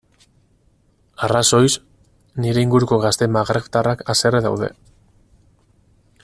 Arrazoiz, nire inguruko gazte magrebtarrak haserre daude.